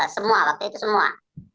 semua waktu itu semua